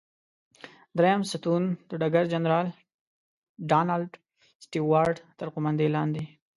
دریم ستون د ډګر جنرال ډانلډ سټیوارټ تر قوماندې لاندې.